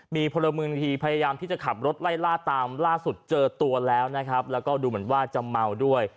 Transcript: มีพลเมืองดีพยายามที่จะขับรถไล่ล่าตามล่าสุดเจอตัวแล้วนะครับแล้วก็ดูเหมือนว่าจะเมาด้วย